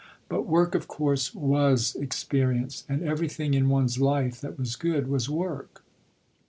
But work of course was experience, and everything in one's life that was good was work.